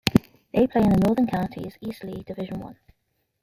They play in the Northern Counties East League Division One.